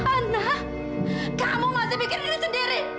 anak kamu masih bikin ini sendiri